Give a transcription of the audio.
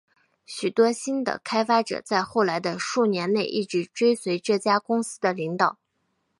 许多新的开发者在后来的数年内一直追随这家公司的领导。